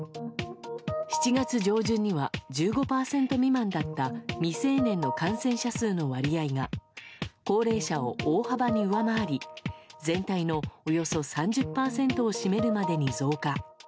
７月上旬には１５％未満だった未成年の感染者数の割合が高齢者を大幅に上回り全体のおよそ３０％を占めるまでに増加。